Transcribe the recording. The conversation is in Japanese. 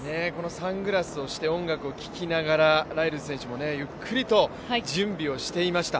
サングラスをして音楽を聴きながら、ライルズ選手もゆっくりと準備をしていました。